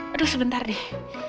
aduh sebentar deh